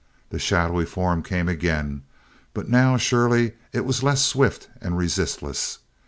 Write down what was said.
The shadowy form came again but now, surely, it was less swift and resistless.